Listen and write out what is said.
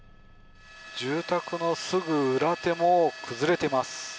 住宅のすぐ裏手も崩れてます。